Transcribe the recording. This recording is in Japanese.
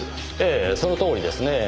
ええその通りですねぇ。